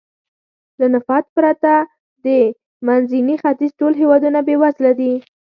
له نفت پرته د منځني ختیځ ټول هېوادونه بېوزله دي.